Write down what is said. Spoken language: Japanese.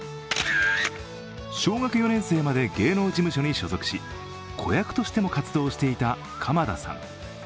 小学４年生まで芸能事務所に所属し子役としても活動していた鎌田さん。